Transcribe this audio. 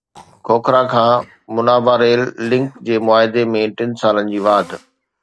کوکھرا کان منا-با rail link جي معاهدي ۾ ٽن سالن جي واڌ